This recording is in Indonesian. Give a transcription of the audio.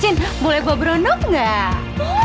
cin boleh gue berenung nggak